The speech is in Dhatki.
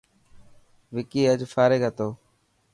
وڪي اڄ فارغ هتو.